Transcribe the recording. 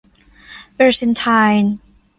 เปอร์เซ็นต์ไทล์